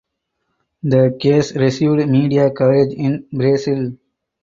The case received media coverage in Brazil.